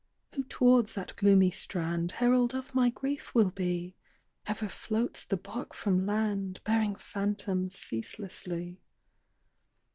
"Who towards that gloomy strand Herald of my grief will be? Ever floats the bark from land, Bearing phantoms ceaselessly.